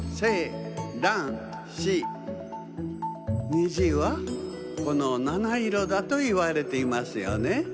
虹はこのなないろだといわれていますよね。